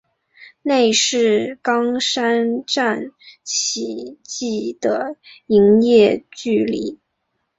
内是冈山站起计的营业距离。